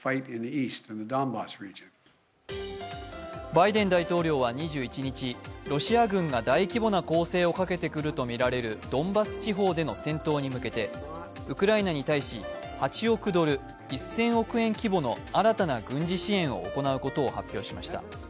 バイデン大統領は２１日、ロシア軍が大規模な攻勢をかけてくるとみられるドンバス地方での戦闘に向けてウクライナに対し、８億ドル１０００億円規模の新たな軍事支援を行うことを発表しました。